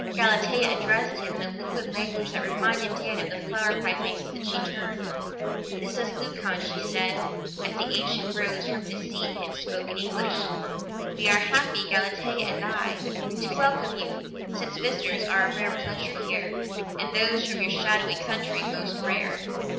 Galatea addressed him in a liquid language that reminded Dan of the flower pipings; then she turned. "This is Leucon," she said, as the ancient rose from his seat and spoke in English. "We are happy, Galatea and I, to welcome you, since visitors are a rare pleasure here, and those from your shadowy country most rare."